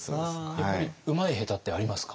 やっぱりうまい下手ってありますか？